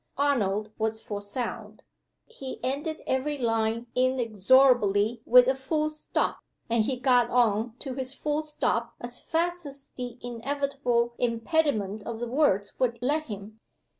Arnold was for sound. He ended every line inexorably with a full stop; and he got on to his full stop as fast as the inevitable impediment of the words would let him.